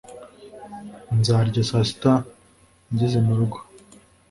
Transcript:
Nzarya saa sita ngeze murugo